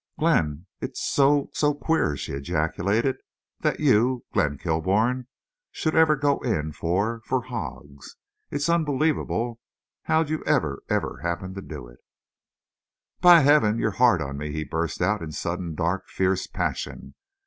"Glenn! It's so—so queer," she ejaculated. "That you—Glenn Kilbourne should ever go in for—for hogs!... It's unbelievable. How'd you ever—ever happen to do it?" "By Heaven! you're hard on me!" he burst out, in sudden dark, fierce passion.